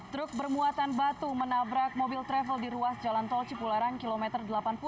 truk bermuatan batu menabrak mobil travel di ruas jalan tol cipularang kilometer delapan puluh